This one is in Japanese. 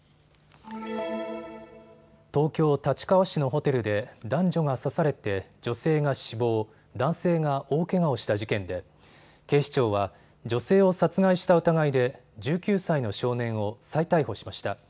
東京立川市のホテルで男女が刺されて、女性が死亡、男性が大けがをした事件で警視庁は女性を殺害した疑いで１９歳の少年を再逮捕しました。